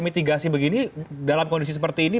mitigasi begini dalam kondisi seperti ini